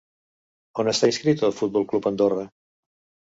On està inscrit el Futbol Club Andorra?